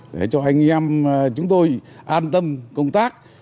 để cho anh em chúng tôi an tâm công tác